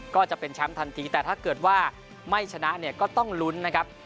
ก็จะเป็นแชมป์ทันทีแต่ถ้าเกิดว่าไม่ชนะเนี่ยก็ต้องลุ้นนะครับ